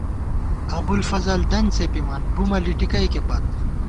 ابُوالفضل دَن څېپِمان ، بُمہ لِٹِکئیکے پت